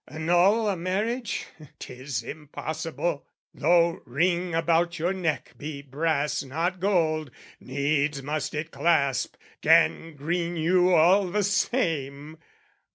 "Annul a marriage? 'Tis impossible! "Though ring about your neck be brass not gold, "Needs must it clasp, gangrene you all the same!"